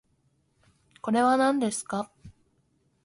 これはなんですか